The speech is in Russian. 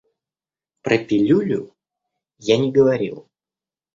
Про пилюлю я не говорил.